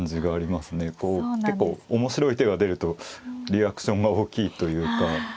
結構面白い手が出るとリアクションが大きいというか。